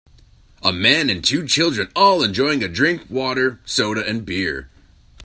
A man and two children all enjoying a drink water, soda and beer.